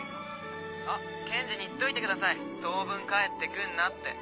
健二に言っといてください当分帰って来んなって。